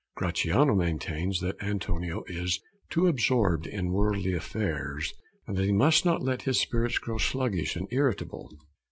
Gratiano maintains that Antonio is too absorbed in worldly affairs, and that he must not let his spirits grow sluggish or irritable.